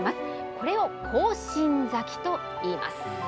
これを高芯咲きといいます。